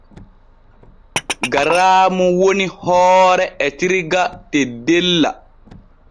Garaamu woni hoore etirga teddella.